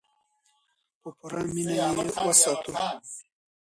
په پوره مینه یې وساتو.